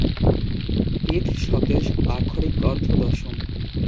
Teeth শব্দের আক্ষরিক অর্থ দশম।